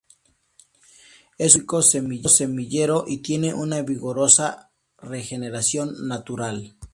Es un prolífico semillero y tiene una vigorosa regeneración natural.